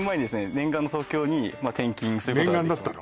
念願の東京に転勤することが念願だったの？